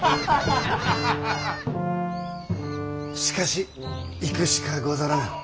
しかし行くしかござらぬ。